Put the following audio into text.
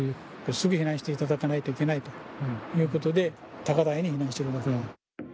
すぐ避難していただかないといけないということで、高台に避難してくださいと。